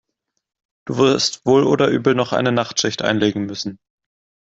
Du wirst wohl oder übel noch eine Nachtschicht einlegen müssen.